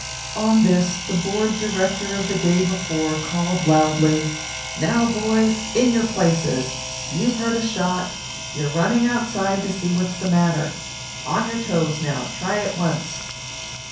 On this the bored director of the day before called loudly, "Now, boys, in your places. You've heard a shot you're running outside to see what's the matter. On your toes, now try it once."